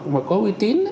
mà có uy tín